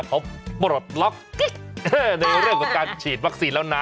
เขาปลดล็อกกิ๊กในเรื่องของการฉีดวัคซีนแล้วนะ